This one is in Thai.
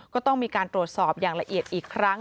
ก็ต้องมีการตรวจสอบอย่างละเอียดอีกครั้ง